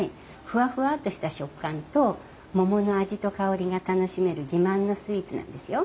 ふわふわっとした食感と桃の味と香りが楽しめる自慢のスイーツなんですよ。